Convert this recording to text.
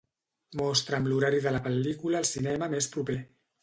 Mostra'm l'horari de la pel·lícula al cinema més proper.